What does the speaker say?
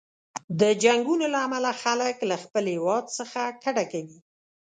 د جنګونو له امله خلک له خپل هیواد څخه کډه کوي.